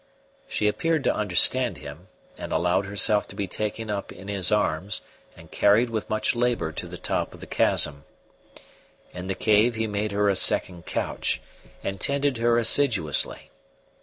She appeared to understand him, and allowed herself to be taken up in his arms and carried with much labour to the top of the chasm. In the cave he made her a second couch, and tended her assiduously.